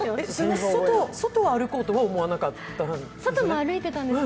外を歩こうとは思わなかったんですか？